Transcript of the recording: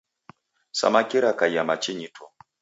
Samaki rakaia machinyi tu.